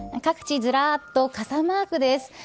各地ずらっと傘マークです。